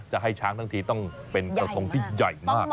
จะให้ช้างทั้งทีต้องเป็นกระทงที่ใหญ่มาก